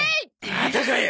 またかよ！